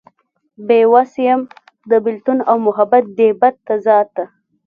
بې وس يم د بيلتون او محبت دې بد تضاد ته